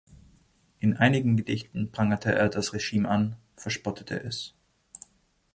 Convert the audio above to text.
In einigen Gedichten prangerte er das Regime an, verspottete es.